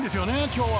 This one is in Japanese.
今日は。